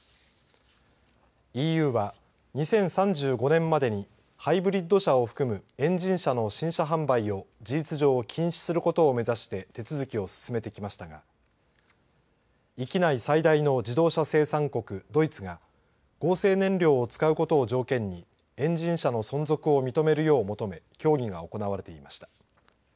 ＥＵは２０３５年までにハイブリッド車を含むエンジン車の新車販売を事実上、禁止することを目指して手続きを進めてきましたが域内最大の自動車生産国ドイツが合成燃料を使うことを条件にエンジン車の存続を認めるよう求め協議が行われていました。